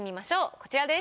こちらです。